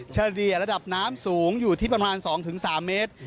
เฉลี่ยระดับน้ำสูงอยู่ที่ประมาณ๒๓เมตร